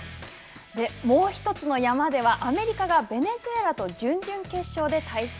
もう１つの山では、アメリカがベネズエラと準々決勝で対戦。